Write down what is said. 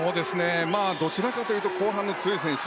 どちらかというと後半に強い選手。